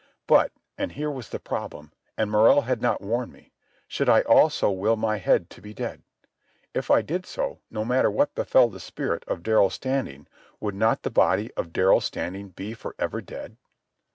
But—and here was the problem, and Morrell had not warned me: should I also will my head to be dead? If I did so, no matter what befell the spirit of Darrell Standing, would not the body of Darrell Standing be for ever dead?